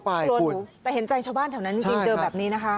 แต่เห็นใจชาวบ้านแถวนั้นจริงจัยแบบนี้นะคะ